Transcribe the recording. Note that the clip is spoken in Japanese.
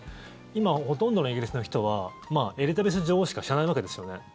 今、ほとんどのイギリスの人はエリザベス女王しか知らないわけですよね。